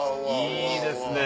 いいですね。